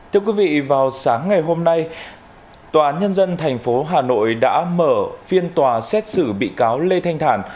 thưa quý vị vào sáng ngày hôm nay tòa án nhân dân tp hà nội đã mở phiên tòa xét xử bị cáo lê thanh thản